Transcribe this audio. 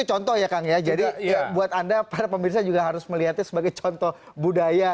contoh ya kang ya jadi buat anda para pemirsa juga harus melihatnya sebagai contoh budaya